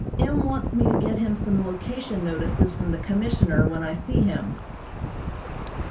M. wants me to get him some location notices from the Commissioner when I see him.